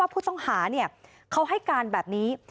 ผู้ต้องหาเขาให้การแบบนี้